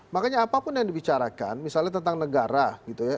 makanya apapun yang dibicarakan misalnya tentang negara gitu ya